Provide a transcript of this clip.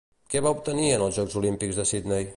Què va obtenir en els Jocs Olímpics de Sydney?